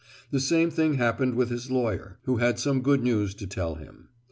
The same thing happened with his lawyer, who had some good news to tell him.